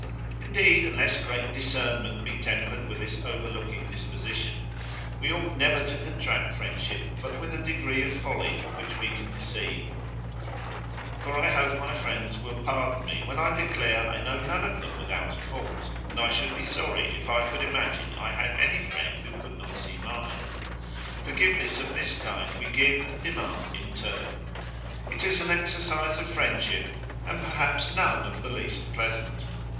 Indeed, unless great discernment be tempered with this overlooking disposition, we ought never to contract friendship but with a degree of folly which we can deceive; for I hope my friends will pardon me when I declare, I know none of them without a fault; and I should be sorry if I could imagine I had any friend who could not see mine. Forgiveness of this kind we give and demand in turn. It is an exercise of friendship, and perhaps none of the least pleasant.